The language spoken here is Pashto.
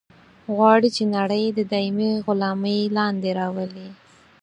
غواړي چې نړۍ د دایمي غلامي لاندې راولي.